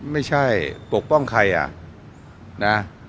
ไม่ใช่ปกป้องใครอ่ะนะ